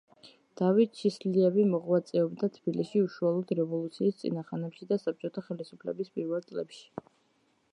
დავით ჩისლიევი მოღვაწეობდა თბილისში უშუალოდ რევოლუციის წინა ხანებში და საბჭოთა ხელისუფლების პირველ წლებში.